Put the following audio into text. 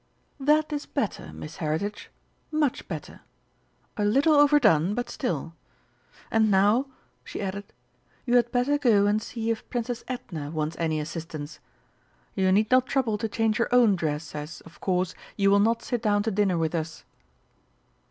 "That is better, Miss Heritage, much better a little overdone, but still And now," she added, "you had better go and see if Princess Edna wants any assistance. You need not trouble to change your own dress, as, of course, you will not sit down to dinner with us."